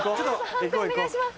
判定お願いします。